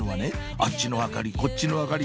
あっちの明かりこっちの明かり